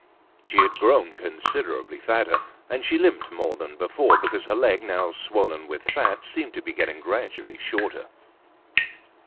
She had grown considerably fatter, and she limped more than before because her leg, now swollen with fat, seemed to be getting gradually shorter.